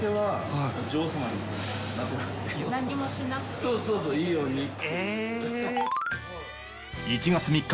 そうそうそういいようにっていう。